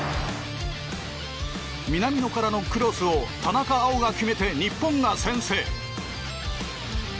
南野からのクロスを田中碧が決めて日本が先制。